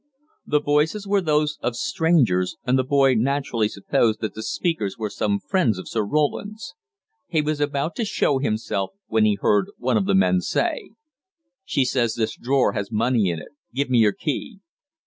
"The voices were those of strangers, and the boy naturally supposed that the speakers were some friends of Sir Roland's. He was about to show himself, when he heard one of the men say: "'She says this drawer has money in it: give me your key.'